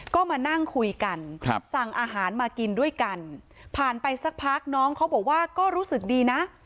ก็มานั่งคุยกันสั่งอาหารมากินด้วยกันผ่านไปสักพักน้องเขาบอกว่าก็รู้สึกดีนะ